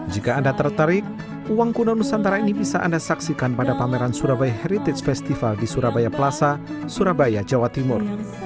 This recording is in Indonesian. jika anda tertarik uang kuno nusantara ini bisa anda saksikan pada pameran surabaya heritage festival di surabaya plaza surabaya jawa timur